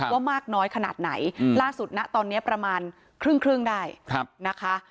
ว่ามากน้อยขนาดไหนล่าสุดนะตอนนี้ประมาณครึ่งได้นะคะ